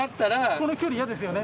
この距離嫌ですよね。